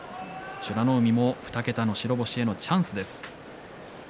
美ノ海も２桁の白星へのチャンスです。